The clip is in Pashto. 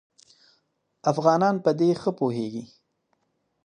افغانان په دې ښه پوهېږي.